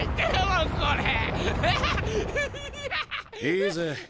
いいぜ。